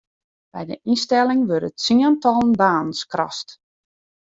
By de ynstelling wurde tsientallen banen skrast.